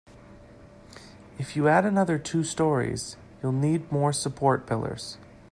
If you add another two storeys, you'll need more support pillars.